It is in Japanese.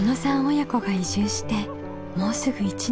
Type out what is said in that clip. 親子が移住してもうすぐ１年。